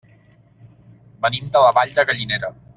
Venim de la Vall de Gallinera.